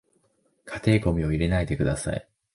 家庭ゴミを入れないでください